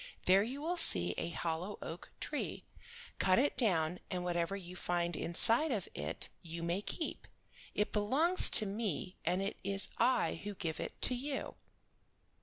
There you will see a hollow oak tree. Cut it down, and whatever you find inside of it you may keep; it belongs to me, and it is I who give it to you."